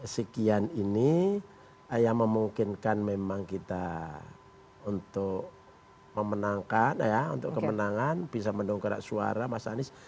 sekian ini yang memungkinkan memang kita untuk memenangkan ya untuk kemenangan bisa mendongkrak suara mas anies